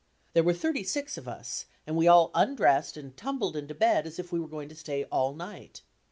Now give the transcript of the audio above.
There were thirty six of us and we all undressed and tumbled into bed as if we were going to stay all night.